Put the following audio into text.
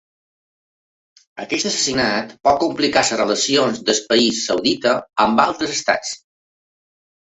Aquest assassinat pot complicar les relacions del país saudita amb altres estats.